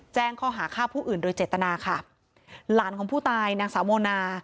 แจ้งข้อหาฆ่าผู้อื่นโดยเจตนาค่ะหลานของผู้ตายนางสาวโมนา